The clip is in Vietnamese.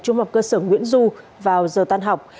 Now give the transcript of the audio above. trung học cơ sở nguyễn du vào giờ tan học